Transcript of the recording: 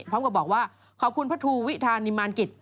เพราะก็บอกว่าขอบคุณพระทูร์วิทางีมาลกิจ